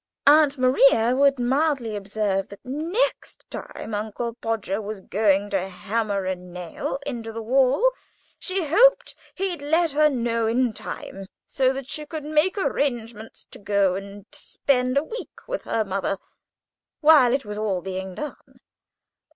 Aunt Maria would mildly observe that, next time Uncle Podger was going to hammer a nail into the wall, she hoped he'd let her know in time, so that she could make arrangements to go and spend a week with her mother while it was being done.